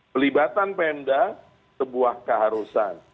pelibatan pemda sebuah keharusan